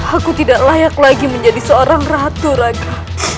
aku tidak layak lagi menjadi seorang ratu lagi